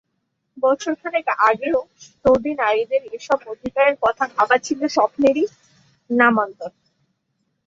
বছর খানেক আগেও সৌদি নারীদের এসব অধিকারের কথা ভাবা ছিল স্বপ্নেরই নামান্তর।